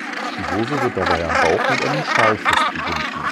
Die Hose wird dabei am Bauch mit einem Schal festgebunden.